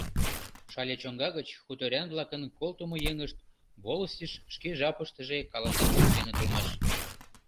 Шале чоҥга гыч хуторян-влакын колтымо еҥышт волостьыш шке жапыштыже каласен шуктеныт улмаш.